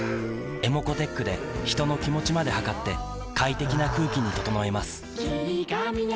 ｅｍｏｃｏーｔｅｃｈで人の気持ちまで測って快適な空気に整えます